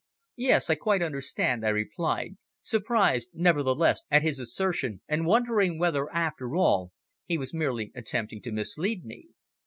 "Yes, I quite understand," I replied, surprised nevertheless at his assertion and wondering whether, after all, he was merely attempting to mislead me.